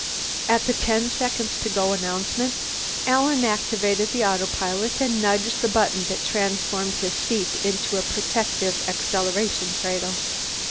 At the ten seconds to go announcement, Alan activated the autopilot and nudged the button that transformed his seat into a protective acceleration cradle.